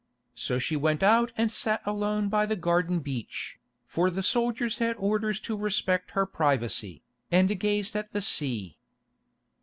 So she went out and sat alone by the garden beach, for the soldiers had orders to respect her privacy, and gazed at the sea.